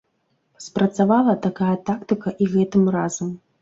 Спрацавала такая тактыка і гэтым разам.